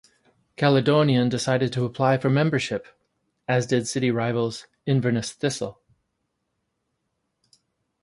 Caledonian decided to apply for membership, as did city rivals Inverness Thistle.